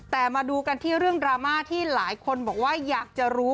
แต่มาดูกันที่เรื่องดราม่าที่หลายคนบอกว่าอยากจะรู้